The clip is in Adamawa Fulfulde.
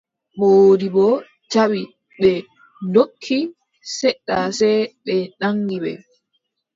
Moodibbo jaɓi, ɓe ndokki, seɗɗa sey ɓe naŋgi ɓe.